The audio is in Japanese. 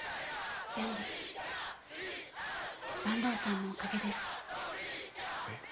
全部坂東さんのおかげです。え？